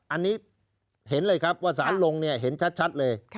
อันนี้เห็นเลยครับว่าสารลงเนี่ยเห็นชัดเลย